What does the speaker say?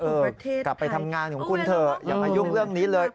กลับไปทำงานของคุณเถอะอย่ามายุ่งเรื่องนี้เลย